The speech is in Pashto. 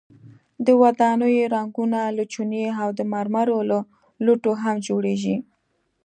د ودانیو رنګونه له چونې او د مرمرو له لوټو هم جوړیږي.